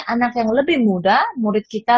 anak yang lebih muda murid kita